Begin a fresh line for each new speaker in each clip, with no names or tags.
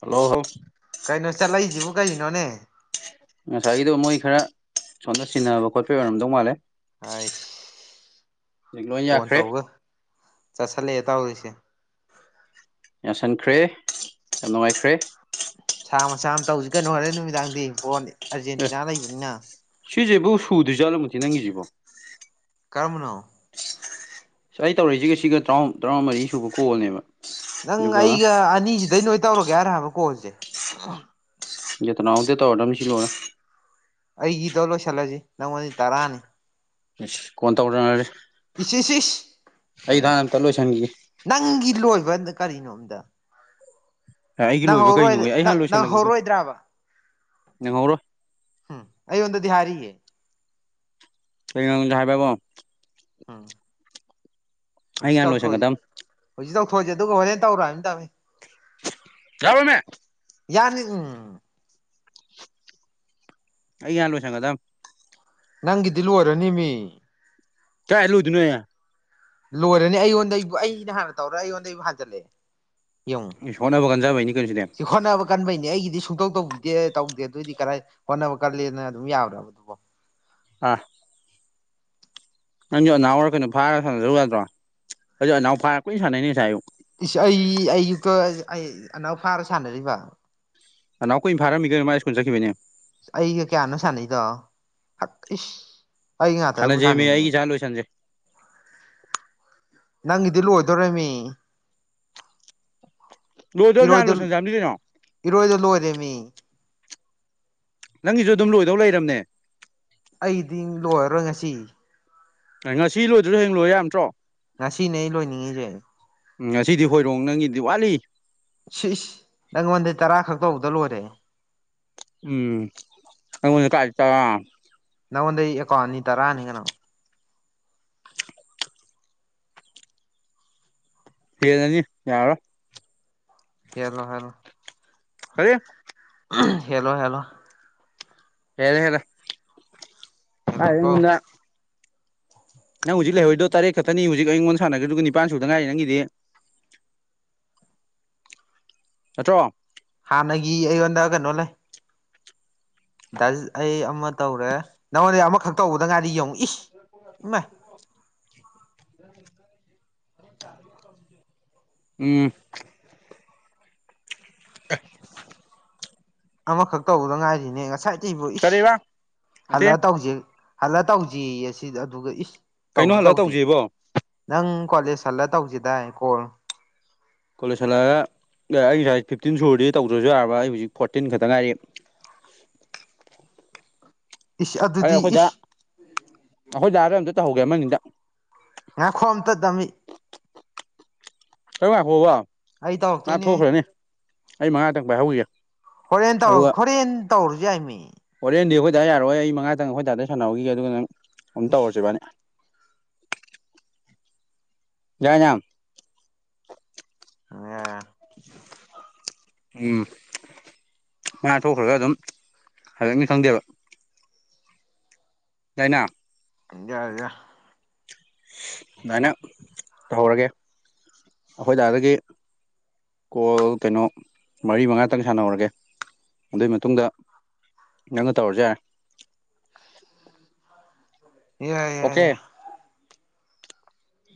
hello
ꯀꯩꯅꯣ ꯆꯠꯂꯛꯏꯁꯤꯕꯨ ꯀꯅꯣꯅꯦ
ꯉꯁꯥꯏꯒꯤꯗꯣ ꯃꯣꯏ ꯈꯔ ꯁꯣꯝꯗ ꯆꯟꯅꯕ ꯈꯣꯠꯄ ꯑꯣꯏꯔꯝꯗꯧ ꯃꯥꯜꯂꯦ
ꯑꯥꯏꯁ
ꯍꯧꯖꯤꯛ ꯂꯣꯏ
ꯐꯣꯟ
ꯌꯥꯈ꯭ꯔꯦ
ꯇꯧꯕꯒ ꯆꯠꯁꯜꯂꯛꯑꯦ ꯇꯧꯔꯤꯁꯦ
ꯌꯥꯁꯟꯈ꯭ꯔꯦ ꯌꯥꯝ ꯅꯨꯡꯉꯥꯏꯈ꯭ꯔꯦ
ꯊꯥ ꯃꯆꯥ ꯑꯃ ꯇꯧꯁꯤꯒꯅꯨ ꯍꯣꯔꯦꯟ ꯅꯨꯃꯤꯗꯥꯡꯗꯤ ꯏꯝ ꯐꯣꯟ ꯑꯔꯖꯦꯟꯇꯤꯅꯥ ꯂꯩꯕꯅꯤꯅ
ꯁꯤꯖꯕꯨ ꯁꯨꯗꯣꯏ ꯆ ꯑꯜ ꯃꯊꯤ ꯅꯪꯉꯤꯖꯕ
ꯀꯔꯃꯅꯣ
ꯑꯩ ꯇꯧꯔꯛꯏꯁꯤꯒ ꯁꯤꯒ ꯇꯔꯥ ꯇꯔꯥꯃꯔꯤ ꯁꯨꯕ ꯀꯣꯜꯅꯦꯕ
ꯅꯪ
ꯑꯗꯨꯒ
ꯑꯩꯒ ꯑꯅꯤꯁꯤꯗꯩ ꯅꯣꯏ ꯇꯧꯔꯒꯦ ꯍꯥꯏꯔ ꯍꯥꯏꯕ ꯀꯣꯜꯁꯦ
ꯇꯅ ꯑꯣꯗ ꯑꯣꯔ ꯃꯤ ꯁꯤ ꯂꯔ
ꯑꯩꯒꯤꯗꯣ ꯂꯣꯏꯁꯤꯜꯂꯁꯤ ꯅꯪꯉꯣꯟꯗꯤ ꯇꯔꯥꯅꯤ
ꯀꯣꯟ ꯇꯧꯗꯅꯔꯦ
ꯏꯆꯦꯁꯤ
ꯑꯩꯗ ꯍꯥꯟꯅ ꯑꯝꯇ ꯂꯣꯏꯁꯤꯟꯈꯤꯒꯦ
ꯅꯪꯒꯤ ꯂꯣꯏ ꯗꯥ ꯀꯅꯣ ꯑꯗ
ꯑꯩꯒꯤ ꯂꯣꯏꯕ ꯀꯩꯅꯣ ꯍ ꯑꯩ ꯍꯥꯟꯅ ꯂꯣꯏꯁꯤꯜꯂꯒꯦ ꯀꯩꯅꯣ
ꯅꯪꯍꯧꯔꯣꯏꯗ꯭ꯔꯕ
ꯌꯦꯡꯍꯧꯔꯣꯏ
ꯑꯩ ꯍꯟꯗ ꯍꯥꯔꯤꯌꯦ
ꯀꯥ ꯌꯥ ꯍꯥꯏꯕꯕꯣ
ꯎꯝ
ꯑꯩ
ꯍꯧꯖꯤꯛ
ꯍꯥꯟꯅ
ꯇꯧꯊꯣꯛꯑꯁꯤ
ꯂꯣꯏꯁꯟꯒꯗꯕ
ꯍꯧꯖꯤꯛ ꯇꯧꯊꯣꯛꯑꯁꯤ ꯑꯗꯨꯒ ꯍꯣꯔꯦꯟ ꯇꯧꯔꯣ ꯍꯥꯏꯅ ꯇꯧꯅꯤ
ꯌꯥꯕꯣ ꯃꯃꯦ
ꯌꯥꯅꯤ ꯎꯝ
ꯑꯜꯂꯣꯁꯪꯒꯗ
ꯅꯪꯒꯤꯗꯤ ꯂꯣꯏꯔꯅꯤ ꯃꯤ
ꯀꯌꯥ ꯏꯂꯨ ꯊꯅ ꯑ
ꯂꯣꯏꯔꯅꯤ ꯑꯩꯉꯣꯟꯗ ꯑꯩꯕꯨ ꯑꯩꯅ ꯍꯥꯟꯅ ꯇꯧꯔꯦ ꯑꯩꯉꯣꯟꯗ ꯑꯩꯕꯨ ꯍꯟꯖꯜꯂꯛꯑꯦ ꯌꯦꯨꯡ
ꯍꯣꯠꯅꯕ ꯀꯟꯖꯕꯩꯅꯤ ꯀꯩꯅꯣ ꯁꯤꯗꯤ
ꯁꯤꯈꯣꯟꯅꯕ ꯀꯥꯟꯕꯅꯤ ꯑꯩꯒꯤꯗꯤ ꯁꯨꯡꯇꯧ ꯇꯧꯕꯤꯗꯦ ꯇꯧꯗꯦ ꯑꯗꯨꯏꯗꯤ ꯀꯔꯥꯏ ꯍꯣꯠꯅꯕ ꯀꯂꯦꯅ ꯑꯗꯨꯝ ꯌꯥꯕ꯭ꯔꯕ ꯑꯗꯨꯕꯣ
ꯑ ꯅꯪꯁꯨꯣ ꯅꯅꯥꯎꯔ ꯀꯩꯅꯣ ꯐꯥꯔꯒ ꯁꯥꯟꯅꯔꯨ ꯌꯥꯗ꯭ꯔꯣ ꯑꯗꯨ ꯑꯅꯥꯎ ꯐꯥꯔ ꯀꯨꯏꯅ ꯁꯥꯟꯅꯩꯅꯦ ꯉꯁꯥꯏꯌꯨ
ꯑꯩ ꯑꯌꯨꯛꯇ ꯑꯩ ꯑꯅꯥ ꯐꯥꯔ ꯁꯥꯟꯅꯔꯤꯕ
ꯑꯅꯥꯎ ꯀꯨꯏꯅ ꯐꯥꯔꯝꯃꯤꯒꯅ ꯃꯥ ꯁ꯭ꯀꯨꯜ ꯆꯠꯈꯤꯕꯅꯦ
ꯑꯩꯒ ꯀꯌꯥꯅꯣ ꯁꯥꯟꯅꯩꯗꯣ ꯏꯁ ꯑꯩ
ꯍꯥꯟꯅꯖꯦ ꯃꯤ
ꯉꯇꯕꯨꯁꯥꯅꯅꯦ
ꯑꯩꯒꯤ ꯏꯆꯥ ꯂꯣꯏꯁꯟꯁꯦ
ꯅꯪꯒꯤꯗꯤ ꯂꯣꯏꯗꯧꯔꯃꯤ
ꯂꯣꯏꯗ꯭ꯔꯕ ꯖꯥꯠ
ꯏꯔꯣꯏꯗ
ꯂꯣꯏꯁꯟꯖꯥꯝꯅꯤ ꯀꯩꯅꯣ
ꯏꯔꯣꯏꯗ ꯂꯣꯏꯔꯦꯃꯤ
ꯅꯪꯒꯤꯁꯨ ꯑꯗꯨꯝ ꯂꯣꯏꯗꯧ ꯂꯩꯔꯕꯅꯦ
ꯑꯩꯗꯤ ꯂꯣꯏꯔꯔꯣꯏ ꯉꯁꯤ
ꯉꯁꯤ ꯂꯣꯏꯗ꯭ꯔꯁꯨ ꯍꯌꯦꯡ ꯂꯣꯏ ꯌꯥ ꯅꯠꯇ꯭ꯔꯣ
ꯉꯁꯤꯅꯦ ꯑꯩ ꯂꯣꯏꯅꯤꯡꯉꯁꯦ
ꯎꯝ ꯑꯁꯤꯗꯤ ꯍꯣꯏꯔꯣꯡ ꯅꯪꯒꯤꯗꯤ ꯋꯥꯠꯂꯤ
ꯁꯤꯁ ꯅꯪꯉꯣꯟꯗꯩ ꯇꯔꯥ ꯈꯛ ꯇꯧꯕꯗ ꯂꯣꯏꯔꯦ
ꯎꯝ ꯀꯇ
ꯅꯪꯉꯣꯟꯗꯩ ꯑꯦꯀꯣ ꯑꯅꯤ ꯇꯔꯥꯑꯅꯤ ꯀꯩꯅꯪꯣ
ꯍꯅꯤ ꯌꯥꯔ
ꯀꯌꯥꯂ ꯍꯜ
ꯑꯔꯦ
ꯍꯦꯜꯂꯣ ꯍꯦꯜꯂꯣ
ꯍꯦꯔꯦ ꯍꯦꯔ ꯑ
ꯍꯦꯜꯂꯣꯀꯣ
ꯃꯟꯅ ꯅꯪ ꯍꯧꯖꯤꯛ ꯂꯩ ꯍꯣꯏꯗ ꯇꯔ ꯈꯊ ꯅ ꯍꯧꯖꯤꯛ ꯑꯩꯉꯣꯟꯗ ꯁꯥꯟꯅꯒꯦ ꯑꯗꯨꯒ ꯅꯤꯄꯥꯥꯟ ꯁꯨꯗ ꯉꯥꯏꯔꯤ ꯅꯪꯒꯤꯗꯤ ꯍꯠꯇ꯭ꯔꯣ
ꯍꯥꯟꯅꯒꯤ ꯑꯩꯉꯣꯟꯗ ꯀꯩꯅꯣ ꯂꯩ ꯗꯥ ꯑꯩ ꯑꯃ ꯇꯧꯔꯦ ꯅꯪꯉꯣꯟꯗ ꯑꯃꯈꯛ ꯇꯧꯕꯗ ꯉꯥꯏꯗꯤ ꯌꯦꯡꯉꯛꯏ ꯂ
ꯎꯝ [unintelligible]
ꯑꯃꯈꯛ ꯇꯧꯕꯗ ꯉꯥꯏꯔꯤꯅꯦ ꯉꯁꯥꯏꯗ ꯑꯩꯕꯨ ꯏ
ꯀꯔꯤꯕ ꯅꯠꯇꯦ
ꯍꯜꯂ ꯇꯧꯁꯦ ꯍꯜꯂ ꯇꯧꯁꯤ ꯑꯁꯤ ꯑꯗꯨꯒ ꯏꯁ
ꯀꯩꯅꯣ
ꯇꯧꯁꯨ
ꯍꯜꯂ
ꯇꯧꯗꯦ
ꯇꯧꯁꯦꯕꯣ
ꯅꯪ ꯀꯣꯂꯦꯖ ꯍꯜꯂ ꯇꯧꯁꯤꯗꯥꯏ ꯀꯣꯜ
ꯀꯣꯂꯦꯖꯂ ꯑꯩ ꯁꯥꯏ ꯐꯤꯞꯇꯤꯟ ꯁꯨꯔꯗꯤ ꯇꯧꯗ꯭ꯔꯁꯨ ꯌꯥꯔꯕ ꯑꯩ ꯍꯧꯖꯤꯛ ꯐꯣꯔꯇꯤꯟ ꯈꯛꯇ ꯉꯥꯏꯔꯤ
ꯏꯁ ꯑꯗꯨꯗꯤ ꯏ
ꯑꯩꯈꯣꯏ ꯂꯔꯣꯏ ꯑꯝꯇ ꯇꯧꯍꯧꯒꯦ ꯑꯃꯅꯤꯗ
ꯉ ꯈꯣꯝꯇꯗꯝꯃꯤ
ꯀ ꯐꯕ
ꯑꯩ ꯇꯔꯛꯇꯣꯏꯅꯦꯍ
ꯑꯩ ꯃꯉꯥꯗꯪ ꯄꯥꯏꯍ ꯍꯧꯏꯒꯦ
ꯍꯣꯔꯦꯟꯧ ꯍꯣꯔꯦꯟ ꯇꯧꯔꯨꯁꯨꯦ ꯌꯥꯏꯃꯤ
ꯇ꯭ꯔꯦꯟꯗꯤ ꯑꯩꯈꯣꯏꯗꯥꯏ ꯌꯥꯔꯣꯏ ꯑꯩ ꯃꯉꯥꯇꯪ ꯑꯩꯈꯣꯏꯗꯥꯏꯗ ꯁꯥꯟꯅꯍꯧꯈꯤ ꯑꯗꯨꯅ ꯑꯗꯨꯝ ꯇꯧꯔꯁꯤꯕꯕꯥꯅꯤ ꯌꯥꯏꯉꯝ
ꯑꯦ
ꯎꯝ ꯉꯥ ꯊꯣꯛꯈ꯭ꯔꯒ ꯑꯗꯨꯝ ꯍꯟꯗꯛꯅꯤ ꯈꯪꯗꯦꯕ ꯆꯩꯥꯏꯅꯥ
ꯌꯥꯏ ꯌꯥꯏ
ꯑꯗꯨꯃꯥꯏꯅ ꯇꯧꯍꯧꯔꯒꯦ ꯑꯩꯈꯣꯏꯗꯥꯗꯒꯤ ꯀꯣꯜ ꯀꯩꯅꯣ ꯃꯔꯤ ꯃꯉꯥꯇꯪ ꯁꯥꯟꯅꯍꯧꯔꯒꯦ ꯑꯗꯨꯒꯤ ꯃꯇꯨꯡꯗ ꯅꯪ ꯇꯧꯔꯖꯦ
ꯌꯥꯏ ꯌꯥꯏ ꯌꯥꯏ ꯎ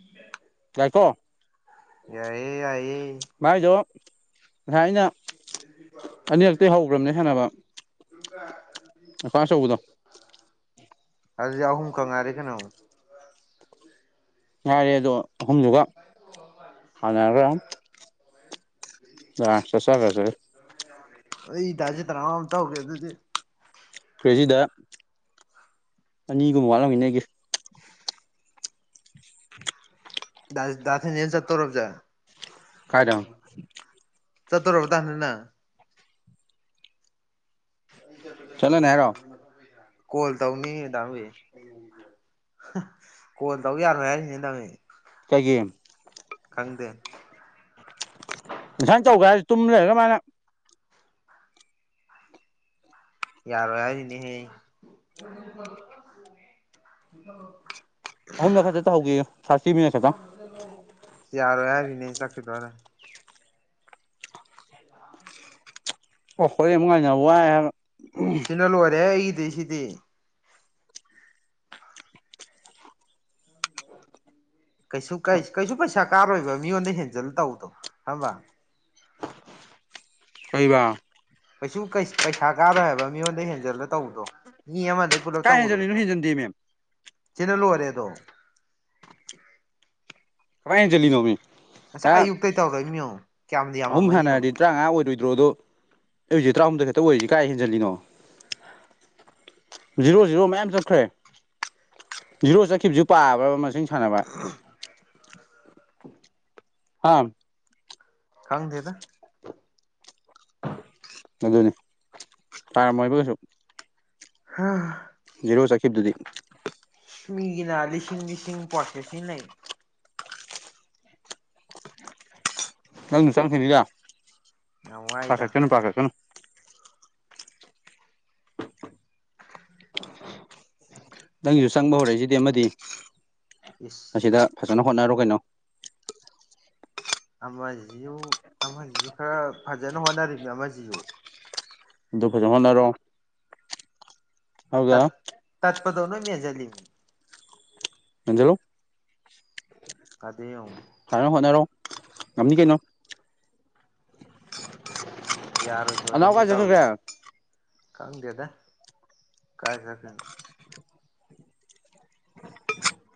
ꯇꯥꯏꯀꯣ
ꯌꯥꯏꯑꯌꯦ ꯌꯥꯏꯌꯦ
ꯉꯁꯥꯏ ꯑꯩꯅ ꯑꯅꯤꯔꯛꯇ ꯍꯧꯈ꯭ꯔꯕꯅꯦ ꯁꯥꯟꯅꯕ ꯀꯁꯧꯕꯗ
ꯑꯗꯨꯗꯤ ꯑꯍꯨꯝ ꯈꯛ ꯉꯥꯏꯔꯦ ꯀꯩꯅꯣ
ꯉꯥꯏꯔꯦ ꯑꯗꯣ ꯑꯍꯨꯝꯗꯨꯒ ꯍꯥꯟꯅꯔꯒ ꯑ ꯆꯁ ꯀꯁꯦ
ꯑꯩ ꯏ ꯇꯁꯤꯦ ꯇꯔꯥꯃ ꯑꯝ ꯇꯧꯒꯦ ꯑꯗꯨꯗꯤ
ꯐ꯭ꯔꯦꯖꯤꯗ ꯑꯅꯤꯒꯨꯝꯕ ꯋꯥꯠꯂꯃꯤꯟꯅꯒꯤ
ꯗꯁꯤ ꯌꯦ ꯆ ꯇꯧꯔꯐꯖ
ꯀꯥꯏꯗ
ꯆꯠꯇꯣꯔꯔꯕ ꯇꯥꯅꯤꯅ ꯑꯩ ꯆꯠꯄ ꯆꯠꯇꯕ
ꯆꯠꯂꯅꯤ
ꯗꯨꯅ
ꯍꯥꯏꯔꯣ
ꯍꯥꯡꯉꯗꯤ ꯐꯗꯧ [inaudible] ꯀꯣꯜ ꯇꯧꯅꯤꯍꯦ ꯗꯥ ꯃꯨꯍꯤ ꯍ ꯀꯣꯜ ꯇꯧ ꯌꯥꯔꯣꯏ ꯍꯥꯏꯔꯤꯅꯦ ꯅꯃꯤ
ꯀꯩꯒꯦꯝ
ꯈꯪꯗꯦ
ꯏꯟꯁꯥꯡ ꯇꯧꯒꯔꯦ ꯍꯥꯏꯁ ꯇꯨꯝ ꯂꯩꯔꯒ ꯃꯥꯥꯅ
ꯌꯥꯔꯣꯏ ꯍꯥꯏꯔꯤꯅꯤꯍꯦ
ꯑꯍꯨꯝꯂꯛ ꯈꯛꯇ ꯇꯧꯍꯧꯒꯦꯌꯨ ꯊꯥꯔꯇꯤ ꯃꯤꯅꯠ ꯈꯛꯇꯪ
ꯌꯥꯔꯣꯏ ꯍꯥꯏꯔꯤꯅꯦ ꯆꯛꯀꯦ ꯇꯧꯂ [unintelligible]
ꯑꯣ ꯍꯣꯌꯦ ꯑꯃꯨꯛ ꯉꯥꯏꯅ ꯋꯥꯏ ꯍꯥꯏꯕ
ꯁꯤꯗ ꯂꯣꯏꯔꯦꯍꯦ ꯑꯩꯒꯤꯗꯤ ꯁꯤꯗꯤ ꯀꯩꯁꯨ ꯀꯩꯏꯖ ꯀꯩꯁꯨ ꯄꯩꯁꯥ ꯀꯥꯔꯣꯏꯕ ꯃꯤꯉꯣꯟꯗ ꯍꯦꯟꯖꯜ ꯇꯧꯕꯗꯣ ꯍꯝꯕ
ꯀꯩꯕ
ꯀꯩꯁꯨ ꯀꯩꯁ ꯄꯩꯁꯥ ꯀꯥꯔꯣꯏ ꯍꯥꯏꯕ ꯃꯤꯉꯣꯟꯗꯩ ꯍꯦꯟꯖꯜꯂ ꯇꯧꯕꯗꯣ ꯃꯤ ꯑꯃꯗꯩ ꯄꯨꯂꯞ
ꯀꯥꯏ
ꯇꯧꯕꯗꯧ
ꯍꯦꯟꯖꯜꯂꯤꯅꯣ ꯍꯦꯟꯖꯟꯗꯦ ꯃꯦꯝ
ꯆꯤꯅꯂꯣꯏꯔꯦ ꯗꯣ
ꯀꯃꯥꯏ ꯍꯦꯟꯖꯤꯜꯂꯤꯅꯣ ꯃꯤ ꯌꯥꯝ
ꯇꯧꯔꯛꯏꯃꯤ ꯌꯦꯡꯉꯣ ꯀꯌꯥꯝꯗꯤ
ꯑꯍꯨꯝ
ꯌꯥꯝꯃꯝꯃꯅꯤ ꯌꯦꯡꯉꯣ
ꯍꯥꯟꯅꯔꯗꯤ ꯇꯔꯥꯉꯥ ꯑꯣꯏꯔꯣꯏ ꯗꯗꯣ ꯑꯩ ꯍꯧꯖꯤ ꯇꯔꯥꯍꯨꯝꯗꯣꯏ ꯈꯛꯇꯑꯣꯏꯔꯤꯖꯤ ꯀꯥꯏ ꯍꯦꯟꯖꯤꯜꯂꯤꯅꯣ ꯖꯤꯔꯣ ꯖꯤꯔꯣ ꯃꯌꯥꯝ ꯆꯠꯈ꯭ꯔꯦ ꯖꯤꯔꯣ ꯆꯠꯈꯤꯕꯖꯨ ꯄꯥꯕ꯭ꯔꯕ ꯃꯁꯤꯡ ꯊꯟꯅꯕ ꯑꯥꯝ
ꯀꯪꯗꯦꯗ
ꯑꯗꯨꯅꯤ ꯇꯔꯃꯣꯏꯕꯨ ꯀꯩꯁꯨ
ꯍ
ꯏꯔꯣ ꯆꯈꯤꯕꯗꯨꯗꯤ
ꯃꯤꯒꯤꯅ ꯂꯤꯁꯤꯡ ꯂꯤꯁꯤꯡ ꯄꯣꯔꯁꯦꯁꯤꯟꯅꯩ
ꯅꯪꯅ ꯆꯪꯈꯤꯒꯤꯌ
ꯌꯥꯝ ꯋꯥꯏꯗ
ꯄꯈꯠꯀꯅꯨ ꯄꯈꯠꯀꯅꯨ ꯅꯪꯒꯤꯁꯨ ꯆꯪꯕ ꯍꯧꯔꯛꯏꯁꯤꯗꯤ ꯑꯃꯗꯤ
ꯏꯁ
ꯑꯁꯤꯗ ꯐꯖꯅ ꯍꯣꯠꯅꯔꯣ ꯀꯩꯅꯣ
ꯑꯃꯥꯖꯤꯌꯨ ꯑꯃꯖꯤꯖꯨ ꯈꯔ ꯐꯥꯖꯅ ꯍꯣꯅꯔꯤꯝꯅꯦ ꯑꯃꯥꯖꯤꯌꯨ
ꯗꯨ ꯐꯖ ꯍꯣꯠꯅꯔꯣ ꯑꯗꯨꯒ
ꯇꯠ ꯇꯠꯄꯗꯣ ꯅꯣꯏꯃꯦꯟꯖꯤꯂꯤꯅꯤ
ꯑꯟꯖꯂꯣ
ꯀꯗꯥꯌꯧ
ꯉꯝꯅꯤ ꯀꯩꯅꯣ
ꯌꯥꯔꯣꯏ
ꯑꯅꯥꯎ
ꯊꯣꯅꯤꯅꯦ
ꯀꯥꯏ ꯆꯠꯈ꯭ꯔꯒꯦ
ꯇꯧꯔꯤꯁꯤ ꯀꯪꯗꯦꯗ ꯀꯥꯏ ꯆꯠꯇꯣꯏꯅꯣ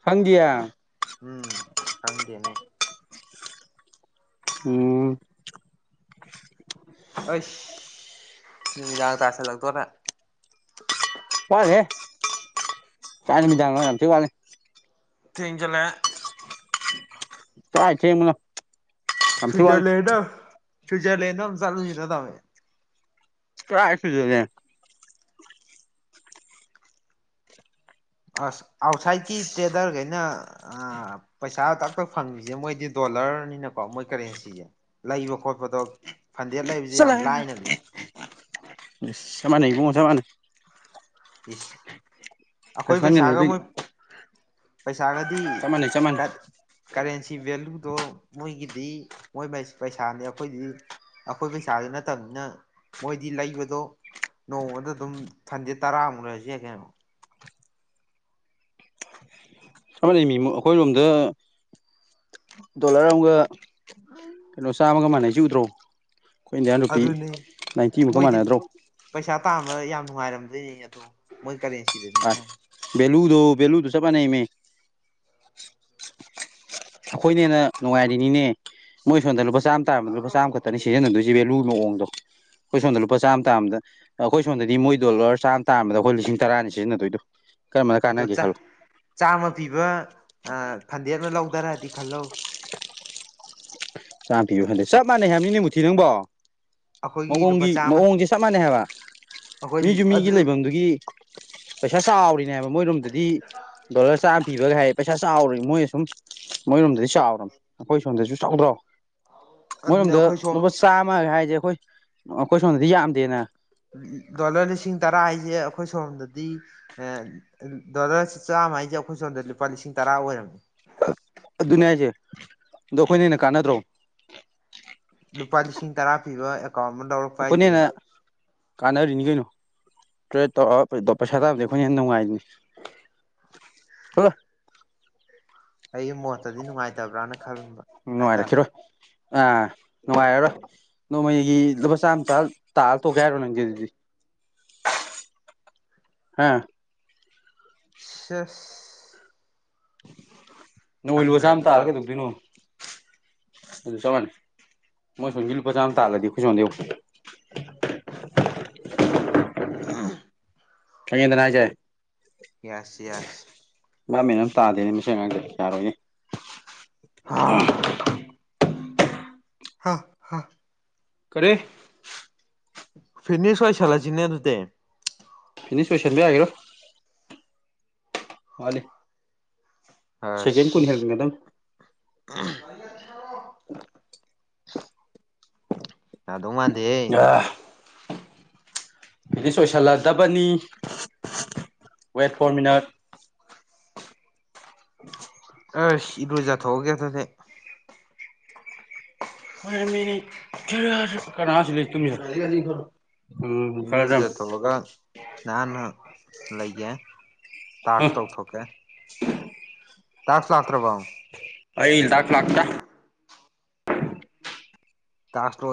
ꯈꯪꯗꯤꯌꯦ
ꯎꯝ ꯈꯪꯗꯦꯅꯦ
ꯎꯝ
ꯑꯩꯁ ꯅꯨꯃꯤꯗꯥ ꯇꯥꯁꯜꯂꯛꯇꯣꯔꯦ
ꯋꯥꯂꯤꯍꯦ ꯀꯥꯏ ꯅꯨꯃꯤꯗꯥꯡꯅꯣ ꯌꯥꯝ ꯊꯤ ꯋꯥꯠꯂꯤ
ꯇꯦꯡꯖꯤꯂꯑꯦ
ꯀꯥꯏ ꯊꯦꯡꯕꯅꯣ ꯌꯥꯝ ꯊꯤ ꯋꯥꯠꯂꯤ
ꯁꯨꯏꯖꯔꯂꯦꯟꯗ ꯁ꯭ꯨꯏꯖꯔꯂꯦꯟꯗ ꯑꯃ ꯆꯠꯂꯨꯁꯤꯗ ꯗꯃꯩ
ꯀꯥꯔꯥꯏ ꯁꯨꯖꯔꯂꯦꯟ
ꯑꯁ ꯑꯥꯎꯠꯁꯥꯏꯠꯀꯤ ꯇꯦꯗꯔꯒꯩꯅ ꯑ ꯄꯩꯁꯥ ꯇꯥꯛꯇꯛ ꯐꯪꯉꯁꯦ ꯃꯣꯏꯗꯤ ꯗꯣ ꯑꯣꯂꯔꯅꯤꯅꯀꯣ ꯃꯣꯏ ꯀꯔꯦꯟꯁꯥꯖꯦ ꯂꯩꯕ ꯈꯣꯠꯄꯗꯣ ꯐꯟꯗꯦ ꯂꯩꯕꯖꯦ ꯌꯥꯝ ꯂꯥꯏꯅꯕꯅꯦ
ꯗꯁ ꯆꯞ ꯃꯅꯩ ꯏꯕꯨꯡꯉꯣ ꯆꯞ ꯃꯅ
ꯏꯁ ꯑꯈꯣꯏ
ꯀꯩꯁꯨ ꯈꯟꯒꯅꯨ
ꯄꯩꯁꯥꯒ
ꯑꯗꯨꯒꯤ
ꯃꯨꯠ ꯁꯥꯒꯗꯤ
ꯆꯞ ꯃꯥꯟꯅꯩ ꯆꯞ ꯃꯥꯟꯅꯩ
ꯀꯔꯦꯟꯁꯤ ꯚꯦꯂꯨ ꯑꯗꯣ ꯃꯣꯏꯒꯤꯗꯤ ꯃꯣꯏ ꯄꯩꯁꯥꯅꯤ ꯑꯩꯈꯣꯏꯗꯤ ꯑꯩꯈꯣꯏ ꯄꯩꯁꯥꯗꯨ ꯅꯠꯇꯕꯅꯤꯅ ꯃꯣꯏꯗꯤ ꯂꯩꯕꯗꯣ ꯅꯣꯡꯃꯗ ꯑꯗꯨꯝ ꯐꯟꯗ ꯇꯔꯥꯝꯒꯦꯁꯤ ꯀꯩꯅꯣ
ꯆ ꯂꯩꯃꯤ ꯑꯩꯈꯣꯏꯔꯣꯝꯗ ꯗꯣꯂꯔ ꯑꯃꯒ ꯀꯩꯅꯣ ꯆꯥꯝꯃꯒ ꯃꯥꯟꯅꯩꯁꯤ ꯎꯗ꯭ꯔꯣ ꯑꯩꯈꯣꯏ ꯏꯟꯗꯤꯌꯥꯟ ꯅꯨꯄꯤ
ꯑꯗꯨꯅꯤ
ꯅꯥꯏꯟꯇꯤꯃꯨꯛꯀ
ꯃꯣꯏꯗꯤ
ꯃꯥꯟꯅꯗ꯭ꯔꯣ
ꯄꯩꯁꯥ ꯇꯥꯟꯕ ꯌꯥꯝ ꯅꯨꯡꯉꯥꯏꯔꯝꯗꯣꯏꯅꯦ ꯑꯗꯣ ꯃꯣꯏ ꯀꯔꯦꯟꯁꯤꯗꯅꯤꯅ
ꯕꯂꯨꯗꯣ ꯕꯂꯨ ꯊ ꯆꯄ ꯅ ꯃ ꯑꯩꯈꯣꯏꯅ ꯍꯟꯅ ꯅꯨꯡꯉꯥꯏꯔꯤꯅꯤꯅꯦ ꯃꯣꯏ ꯁꯣꯝꯗ ꯂꯨꯄꯥ ꯆꯥꯝꯃ ꯇꯥꯔꯝꯕꯅꯤ ꯂꯨꯄꯥ ꯆꯥꯝꯃ ꯈꯛꯇꯅꯤ ꯁꯤꯖꯤꯟꯅꯗꯣꯏꯁꯤ ꯚꯦꯂꯨ ꯃꯑꯣꯡꯗꯣ ꯑꯩꯈꯣꯏ ꯁꯣꯝꯗ ꯂꯨꯄꯥ ꯆꯥꯝꯃ ꯇꯥꯥꯟꯕꯗ ꯑꯩꯈꯣꯏ ꯁꯣꯗꯗꯤ ꯃꯣꯏ ꯗꯣꯂꯔ ꯆꯥꯝꯃ ꯇꯥꯥꯟꯕꯗ ꯑꯩꯈꯣꯏ ꯂꯤꯁꯤꯡ ꯇꯔꯥꯅꯤ ꯁꯤꯖꯤꯟꯅꯗꯣꯏꯗꯣ ꯀꯔꯝꯕꯅ
ꯑꯗꯣ
ꯀꯥꯟꯅꯒꯦ ꯈꯜꯂꯣ
ꯆꯥꯃ ꯄꯤꯕ ꯐꯟꯗꯦꯛꯅ ꯂꯧꯗꯔꯗꯤ ꯈꯜꯂꯣ
ꯆꯥꯝ ꯄꯤꯌꯨ ꯍꯟꯗꯦ ꯆꯞ ꯃꯥꯟꯅꯩ ꯍꯥꯏꯕꯅꯤꯅꯦ ꯃꯨꯊꯤ ꯅꯪꯕꯣ
ꯑꯩꯈꯣꯏꯒꯤ ꯂꯨꯄꯥ
ꯃꯑꯣꯡꯒꯤ
ꯆꯥꯝꯃ
ꯃꯑꯣꯡꯁꯦ ꯆꯞ ꯃꯥꯟꯅꯩ ꯍꯥꯏꯕ
ꯑꯩꯈꯣꯏ
ꯃꯤꯁꯨ ꯃꯤꯒꯤ
ꯑꯗꯨ
ꯂꯩꯐꯝꯗꯨꯒꯤ ꯄꯩꯁꯥ ꯆꯥꯎꯔꯤꯅꯦ ꯍꯥꯏꯕ ꯃꯣꯏꯔꯣꯝꯗꯗꯤ ꯗꯣꯂꯔ ꯆꯥꯔ ꯄꯤꯕꯒ ꯍꯥꯏ ꯄꯩꯁꯥ ꯆꯥꯎꯔꯤ ꯃꯣꯏꯅ ꯁꯨꯝ ꯃꯣꯏꯔꯣꯝꯗꯗꯤ ꯆꯥꯎꯔꯅꯦ ꯑꯩꯈꯣꯏ ꯁꯣꯝꯗꯁꯨ ꯆꯥꯎꯗ꯭ꯔꯣ
ꯑꯗꯨꯅ
ꯃꯣꯏꯔꯣꯝꯗ
ꯑꯩꯈꯣꯏ ꯁꯣꯝ
ꯂꯨꯄꯥ ꯆꯥꯝꯃ ꯍꯥꯏ ꯁꯤꯁꯦ ꯑꯩꯈꯣꯏ ꯑꯩꯈꯣꯏ ꯁꯣꯝꯗꯗꯤ ꯌꯥꯝꯗꯦꯅ
ꯗꯣꯂꯔ ꯂꯤꯁꯤꯡ ꯇꯔꯥ ꯍꯥꯏꯁꯦ ꯑꯩꯈꯣꯏ ꯁꯣꯝꯗꯗꯤ ꯗꯣꯂꯔ ꯆꯥꯝꯃ ꯍꯥꯏꯁꯦ ꯑꯩꯈꯣꯏ ꯁꯣꯝꯗꯗꯤ ꯂꯨꯄꯥ ꯂꯤꯁꯤꯡ ꯇꯔꯥ ꯑꯣꯏꯔꯝꯃꯤ
ꯑꯗꯨꯅꯤꯌꯥꯁꯦ ꯑꯗꯣ ꯑꯩꯈꯣꯏꯅꯦꯅ ꯀꯥꯟꯅꯗ꯭ꯔꯣ
ꯂꯨꯄꯥ ꯂꯤꯁꯤꯡ ꯇꯔꯥ ꯄꯤꯕ ꯑꯦꯀꯥꯎꯟ ꯑꯃ ꯂꯧꯔꯛꯄ
ꯑꯩꯈꯣꯏꯅ
ꯍꯥꯏꯁꯦ
ꯍꯦꯟꯅ ꯀꯥꯟꯅꯔꯤꯅꯤ ꯀꯩꯅꯣ ꯇꯦ ꯇꯧꯔ ꯄꯩꯁꯥ ꯇꯥꯕꯗꯤ ꯑꯩꯈꯣꯏꯅ ꯌꯥꯝꯦ ꯅꯨꯡꯉꯥꯏꯔꯤꯅꯤ ꯍꯂ [unintelligible] [inaudible]
ꯑꯩꯒꯤ ꯃꯣꯠꯇꯗꯤ ꯅꯨꯡꯉꯥꯏꯇꯕ꯭ꯔꯅ ꯈꯟꯕ ꯍꯥꯏꯇꯥꯔꯦ
ꯅꯨꯡꯉꯥꯏꯔꯛꯈꯤꯔꯣꯏ ꯑꯥ ꯅꯨꯡꯉꯥꯏꯔꯔꯣꯏ ꯅꯣꯡꯃꯩꯒꯤ ꯂꯨꯄꯥ ꯆꯥꯝꯃ ꯆ ꯇꯥꯑ ꯊꯣꯛꯀꯦ ꯍꯥꯏꯔꯣ ꯅꯪꯁꯦ ꯑꯗꯨꯗꯤ ꯍꯥꯥ
ꯁ [unintelligible] [inaudible]
ꯅꯣꯡ ꯂꯨ ꯑꯁꯥꯝ ꯇꯥꯔ
ꯇꯧꯔꯤꯁꯦ
ꯀꯩꯗꯧꯗꯣꯏꯅꯣ ꯑꯗꯨ ꯆꯞ ꯃꯥꯟꯅꯩ ꯃꯣꯏ ꯁꯣꯝꯒꯤ ꯂꯨꯄꯥ ꯆꯥꯝꯃ ꯇꯥꯒꯗꯤ ꯑꯩꯣꯏ ꯁꯣꯟꯗꯦ ꯀꯪꯗꯅ ꯍꯥꯏꯖꯦ
ꯌꯦꯁ ꯌꯦꯁ
ꯕꯥꯕ ꯃꯦꯟ ꯒꯥ ꯑꯝꯃꯥ ꯇꯥꯗꯦꯅꯦ ꯃꯁꯤ ꯑꯉꯪꯁꯦ ꯌꯔꯣꯏꯅꯦ
ꯑꯥ [unintelligible] [inaudible] ꯍꯥ ꯍꯥ
ꯀꯔꯦ
ꯐꯤꯅꯤꯁꯋꯥꯣꯏꯁꯂ ꯆꯅꯦꯗꯨꯗ
ꯏꯅꯤ ꯁꯄꯦꯁꯦꯜꯕꯤ ꯍꯥꯏꯒꯦꯔꯣ ꯋꯥ
ꯑ [inaudible] ꯌꯥꯗꯧ ꯃꯥꯟꯗꯦ
ꯗꯤ ꯁꯣꯏꯁꯤꯜꯂꯗꯕꯅꯤ ꯋꯦꯠ ꯐꯣꯔ ꯃꯤꯅꯠ [unintelligible] [inaudible]
ꯑꯁ ꯏꯔꯣꯏꯖꯠꯊꯣꯛꯑꯒꯦ ꯑꯗꯨꯗꯤ
ꯀ ꯁꯤ [unintelligible] [inaudible]
ꯏꯔꯨ ꯂꯨꯖꯥ ꯊꯣꯀꯥꯒꯥ ꯅꯥꯟ ꯂꯩꯒꯦ ꯇꯥꯛꯁ ꯇꯧꯊꯣꯛꯀꯦ ꯇꯥꯛꯁ ꯂꯥꯛꯇ꯭ꯔꯕꯣ
ꯑ ꯏ ꯂꯥꯛ ꯂꯥꯛꯇꯥ
ꯇꯥꯁꯣ